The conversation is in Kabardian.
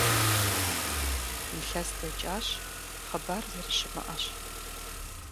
Илъэс дэкӀащ, хъыбар зэрыщымыӀэщ.